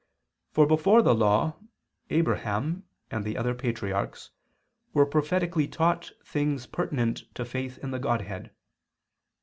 For before the law, Abraham and the other patriarchs were prophetically taught things pertinent to faith in the Godhead.